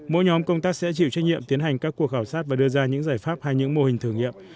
mỗi nhóm công tác sẽ chịu trách nhiệm tiến hành các cuộc khảo sát và đưa ra những giải pháp hay những mô hình thử nghiệm